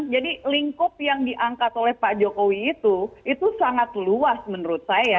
jadi lingkup yang diangkat oleh pak jokowi itu itu sangat luas menurut saya